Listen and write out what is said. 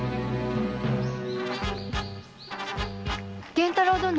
源太郎殿！